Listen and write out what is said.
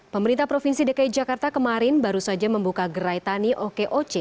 pemerintah provinsi dki jakarta kemarin baru saja membuka gerai tani okoc